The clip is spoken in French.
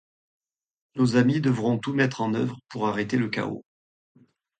Nos amis devront tout mettre en œuvre pour arrêter le chaos.